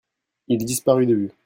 il disparut de vue.